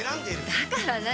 だから何？